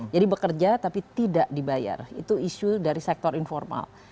jadi bekerja tapi tidak dibayar itu isu dari sektor informal